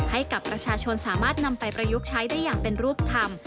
ให้กับประชาชนสามารถนำไปประยุกต์ใช้ได้อย่างเป็นรูปธรรม